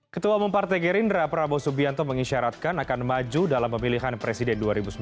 ketua umum partai gerindra prabowo subianto mengisyaratkan akan maju dalam pemilihan presiden dua ribu sembilan belas